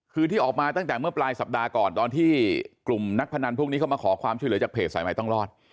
คือที่ออกมาตั้งแต่เมื่อปลายสัปดาห์ก่อนตอนที่กลุ่มนักพนันพวกนี้เข้ามาขอความช่วยเหลือจากเพจสายใหม่ต้องรอด